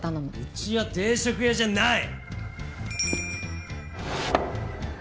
うちは定食屋じゃない！